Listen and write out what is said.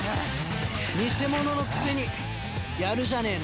偽者のくせにやるじゃねえの。